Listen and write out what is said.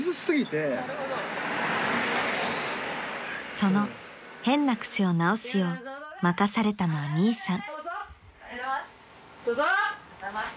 ［その変な癖を直すよう任されたのはミイさん］